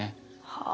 はあ。